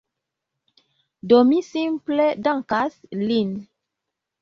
Do mi simple dankas lin